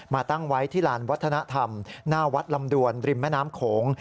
ตั้งไว้ที่ลานวัฒนธรรมหน้าวัดลำดวนริมแม่น้ำโขง